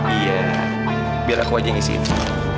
iya biar aku aja ngisi itu